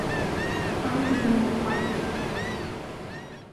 Hind wing white.